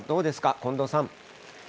近藤さん。